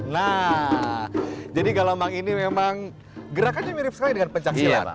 nah jadi galombang ini memang gerakannya mirip sekali dengan pencak silat